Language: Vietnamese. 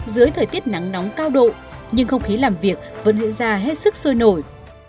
dưới thời tiết nắng nóng cao độ nhưng không khí làm việc vẫn diễn ra hết sức sôi nổi